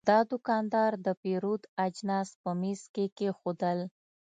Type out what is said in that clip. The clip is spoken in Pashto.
دا دوکاندار د پیرود اجناس په میز کې کېښودل.